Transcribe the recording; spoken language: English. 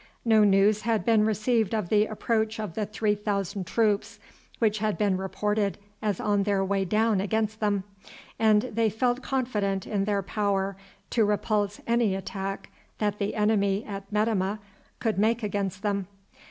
No news had been received of the approach of the three thousand troops which had been reported as on their way down against them, and they felt confident in their power to repulse any attack that the enemy at Metemmeh could make against them.